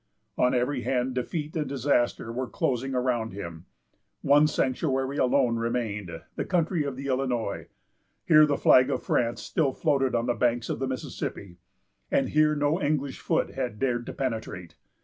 On every hand defeat and disaster were closing around him. One sanctuary alone remained, the country of the Illinois. Here the flag of France still floated on the banks of the Mississippi, and here no English foot had dared to penetrate.